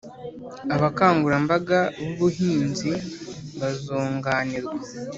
abakangurambaga b'ubuhinzi bazunganirwa